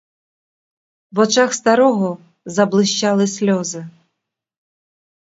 В очах старого заблищали сльози.